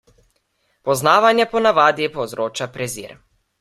Poznavanje po navadi povzroča prezir.